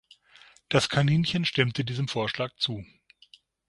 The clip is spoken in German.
Das Kaninchen stimmte diesem Vorschlag zu.